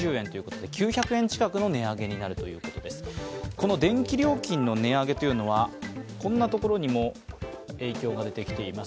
この電気料金の値上げというのはこんなところにも影響が出てきています。